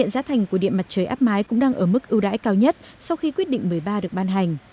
giá thành của điện mặt trời áp mái cũng đang ở mức ưu đãi cao nhất sau khi quyết định một mươi ba được ban hành